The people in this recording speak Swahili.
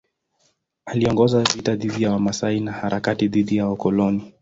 Aliongoza vita dhidi ya Wamasai na harakati dhidi ya wakoloni.